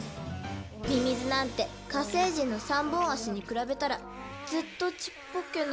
ミミズなんて火星人の３本足に比べたらずっとちっぽけな。